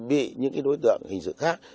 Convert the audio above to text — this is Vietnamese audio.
bị những đối tượng hình sự khác